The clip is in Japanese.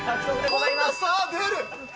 こんな差、出る？